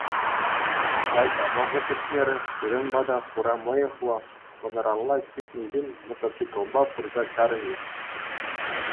Нумай та вӑхӑт иртмерӗ, пирӗн пата хура мӑйӑхлӑ, вӑтӑралла ҫитнӗ ҫын мотоциклпа пырса чарӑнчӗ.